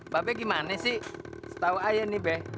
babe gimana sih setau ayah nih be